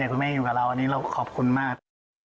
คุณแม่อยู่กับเราอันนี้เราขอบคุณมาก